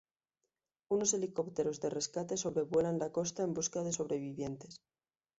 Unos helicópteros de rescate sobrevuelan la costa en busca de sobrevivientes.